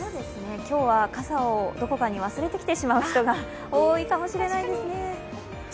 今日は、傘をどこかに忘れてきてしまう人が多いかもしれないですね。